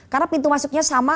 karena pintu masuknya sama